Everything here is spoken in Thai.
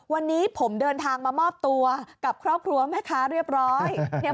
วันนี้ผมเดินทางมามอบตัวกับครอบครัวแม่ค้าเรียบร้อย